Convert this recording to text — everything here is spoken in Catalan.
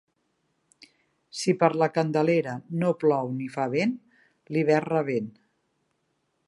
Si per la Candelera no plou ni fa vent, l'hivern revén.